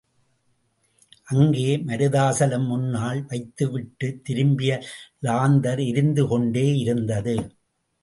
அங்கே மருதாசலம் முன்னால் வைத்துவிட்டுத் திரும்பிய லாந்தர் எரிந்து கொண்டே இருந்தது.